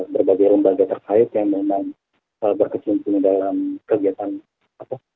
berbagai rombaga terkait yang memang berkecimpungan dalam kegiatan advokasi hak hak anak dan sebagainya